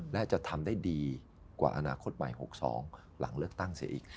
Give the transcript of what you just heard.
และจะทำได้ดีกว่าอนาคตใหม่๖๒หลังเลือกตั้งเสียอีก